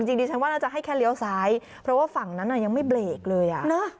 จริงดิฉันว่าน่าจะให้แค่เลี้ยวซ้ายเพราะว่าฝั่งนั้นยังไม่เบรกเลยอ่ะ